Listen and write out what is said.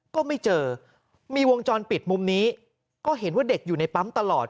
ก็ไม่เจอมีวงจรปิดมุมนี้ก็เห็นว่าเด็กอยู่ในปั๊มตลอด